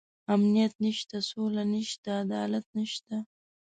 امنيت نشته، سوله نشته، عدالت نشته.